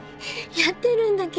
やってるんだけど。